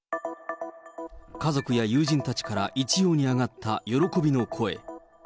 家族や友人たちから一様に上がった喜びの声。